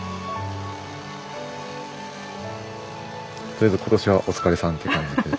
とりあえず今年はお疲れさんっていう感じで。